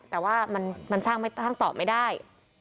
แต่ว่ามันสร้างตอบไม่ได้